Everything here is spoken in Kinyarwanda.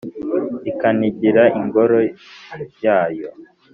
ikanigira ingore yayo